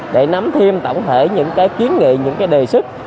để nắm thêm tổng thể những kiến nghị đề xuất